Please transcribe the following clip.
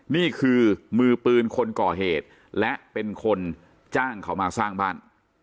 นี่คือมือปืนคนก่อเหตุและเป็นคนจ้างเขามาสร้างบ้าน